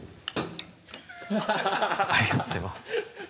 ありがとうございます